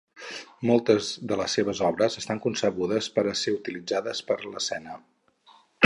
Moltes de les seves obres estan concebudes per a ser utilitzades per l'escena.